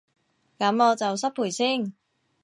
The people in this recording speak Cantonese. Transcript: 噉我就失陪先